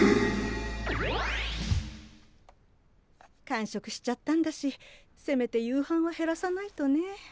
間食しちゃったんだしせめて夕飯は減らさないとね。